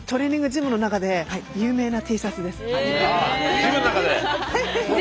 今ねジムの中で。